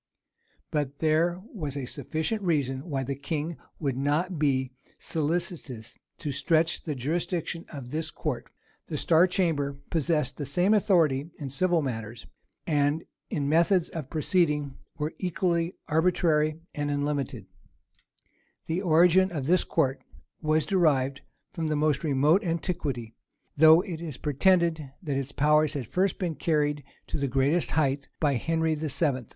But there was a sufficient reason why the king would not be solicitous to stretch the jurisdiction of this court: the star chamber possessed the same authority in civil matters; and its methods of proceeding were equally arbitrary and unlimited, The origin of this court was derived from the most remote antiquity[*] though it is pretended, that its power had first been carried to the greatest height by Henry VII.